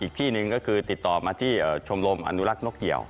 อีกที่หนึ่งก็คือติดต่อมาที่ชมรมอนุรักษ์นกเหี่ยว